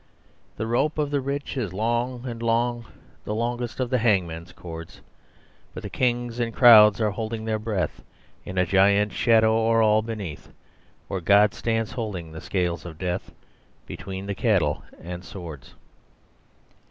The rope of the rich is long and long The longest of hangmen's cords; But the kings and crowds are holding their breath, In a giant shadow o'er all beneath Where God stands holding the scales of Death Between the cattle and Swords.